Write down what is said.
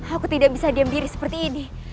aku tidak bisa diam diri seperti ini